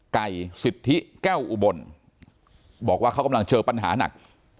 ไก่สิทธิแก้วอุบลบอกว่าเขากำลังเจอปัญหาหนัก